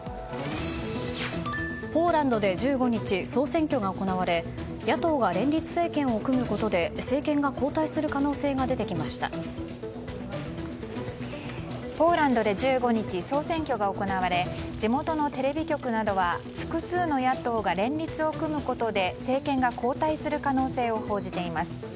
ポーランドで１５日総選挙が行われ野党が連立政権を組むことで政権が交代する可能性がポーランドで、１５日総選挙が行われ地元のテレビ局などは複数の野党が連立を組むことで政権が交代する可能性を報じています。